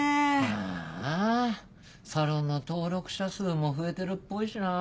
ああサロンの登録者数も増えてるっぽいしなぁ。